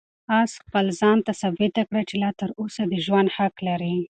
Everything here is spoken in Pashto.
آس خپل ځان ته ثابته کړه چې لا تر اوسه د ژوند حق لري.